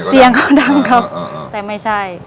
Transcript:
เสียงเขาดังครับแต่ไม่ใช่